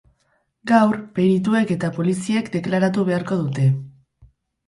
Gaur, perituek eta poliziek deklaratu beharko dute.